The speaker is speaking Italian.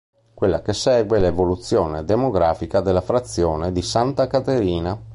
Quella che segue è l'evoluzione demografica della frazione di Santa Caterina.